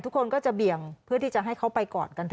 ทุกคนก็จะเบี่ยงเพื่อที่จะให้เขาไปกอดกันต่อ